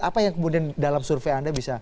apa yang kemudian dalam survei anda bisa